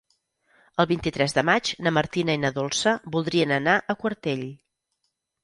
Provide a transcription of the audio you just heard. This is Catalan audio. El vint-i-tres de maig na Martina i na Dolça voldrien anar a Quartell.